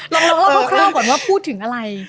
แล้วเราเข้าก่อนว่าพูดถึงอะไร